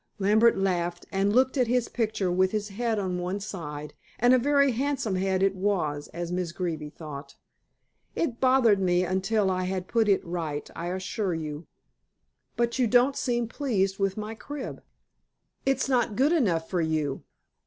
Lambert laughed and looked at his picture with his head on one side, and a very handsome head it was, as Miss Greeby thought. "It bothered me until I had it put right, I assure you. But you don't seem pleased with my crib." "It's not good enough for you."